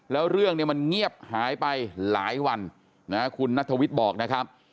แล้วเรื่องเนี่ยมันเงียบหายไปหลายวันคุณนัทวิทย์บอกนะครับ